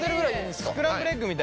スクランブルエッグみたい。